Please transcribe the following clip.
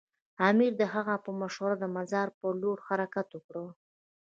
امیر د هغه په مشوره د مزار پر لور حرکت وکړ.